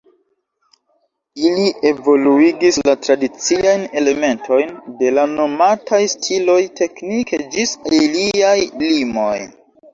Ili evoluigis la tradiciajn elementojn de la nomataj stiloj teknike ĝis iliaj limoj.